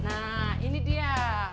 nah ini dia